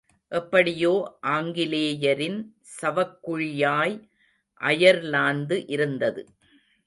எப்படியோ ஆங்கிலேயரின் சவக்குழியாய் அயர்லாந்து இருந்தது.